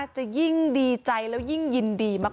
จะยิ่งดีใจแล้วยิ่งยินดีมาก